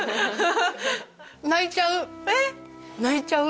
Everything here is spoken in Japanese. えっ？泣いちゃう。